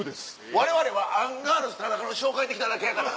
われわれはアンガールズ・田中の紹介で来ただけやから。